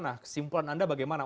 nah kesimpulan anda bagaimana